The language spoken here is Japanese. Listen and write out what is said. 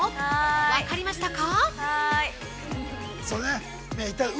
わかりましたか？